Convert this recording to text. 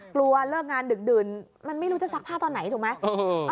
เลิกงานดึกดื่นมันไม่รู้จะซักผ้าตอนไหนถูกไหม